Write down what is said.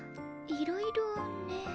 「いろいろ」ね。